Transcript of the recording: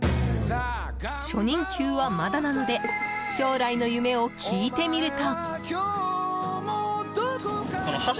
初任給はまだなので将来の夢を聞いてみると。